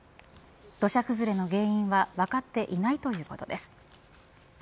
土砂崩れの原因は分かっていないということです。